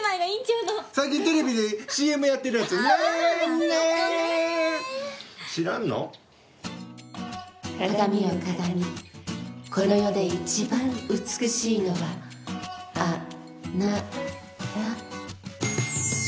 鏡よ鏡この世で一番美しいのはあなた。